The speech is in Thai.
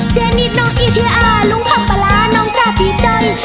เจนิดน้องอีเทียอ่าลุงพ่อปลาร้าน้องจ้าพี่จ้อย